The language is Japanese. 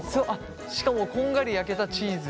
しかもこんがり焼けたチーズ。